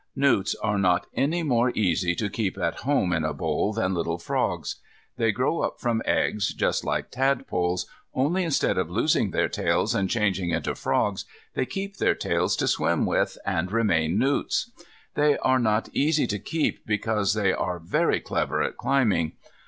Newts are not any more easy to keep at home in a bowl than little frogs. They grow up from eggs, just like tadpoles, only instead of losing their tails and changing into frogs they keep their tails to swim with, and remain newts. They are not easy to keep because they are very clever at climbing.